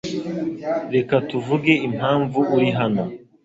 Reka tuvuge impamvu uri hano .